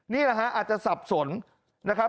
นี่มันอาจจะสับสนนะครับ